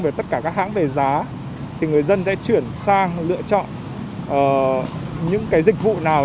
về tất cả các hãng về giá thì người dân sẽ chuyển sang lựa chọn những cái dịch vụ nào